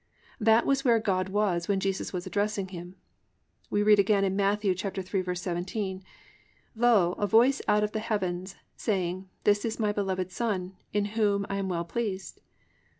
That was where God was when Jesus was addressing Him. We read again in Matt. 3:17: +"Lo, a voice out of the heavens, saying, this is my beloved Son, in whom I am well pleased."